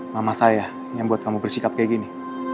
mama saya yang buat kamu bersikap kayak gini